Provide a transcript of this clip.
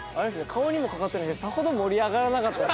顔にもかかってないんでさほど盛り上がらなかったです